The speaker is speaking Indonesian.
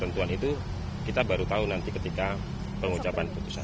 tentuan itu kita baru tahu nanti ketika pengucapan putusan